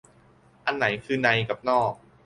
อันไหนคือในกับนอก